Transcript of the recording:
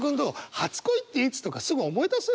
初恋っていつとかすぐ思い出せる？